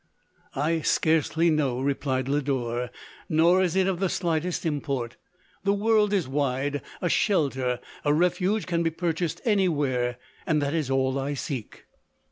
" I scarcely know," replied Lodore, " nor is it of the slightest import. The world is wide, a shelter, a refuge can be purchased any where — and that is all I seek."